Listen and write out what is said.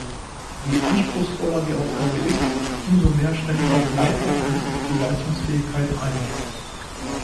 Je anspruchsvoller die Aufgabe ist, umso mehr schränkt auch leichtere Angst die Leistungsfähigkeit ein.